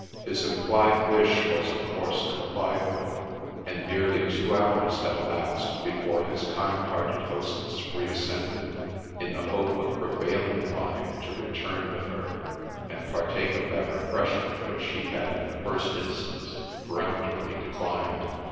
His implied wish was of course complied with : and nearly two hours had elapsed before his kind hearted hostess reascended, in the hope of prevailing upon him to return with her, and partake of that refreshment which he had in the first instance peremptorily declined.